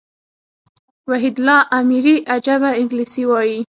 وحيدالله اميري عجبه انګلېسي وايي.